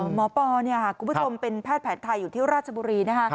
ปอคุณผู้ชมเป็นแพทย์แผนไทยอยู่ที่ราชบุรีนะคะ